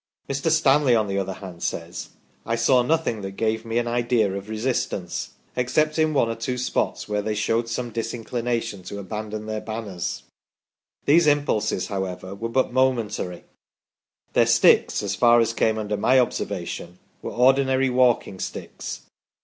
Mr. Stanley, on the other hand, says : "I saw nothing that gave me an idea of resistance, except in one or two spots where they showed some disinclination to abandon their banners ; these impulses, however, were but momentary ; their sticks, as far as came under my observation, were ordinary walking sticks.